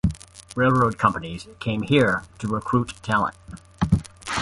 Record companies came here to recruit talent.